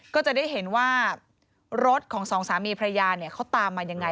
ก็จะได้เห็นว่ารถของสองสามีพระยาเนี่ยเขาตามมายังไง